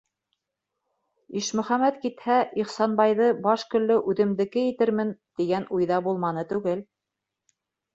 «Ишмөхәмәт китһә, Ихсанбайҙы баш-көллө үҙемдеке итермен» тигән уй ҙа булманы түгел.